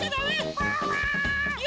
ワンワーン！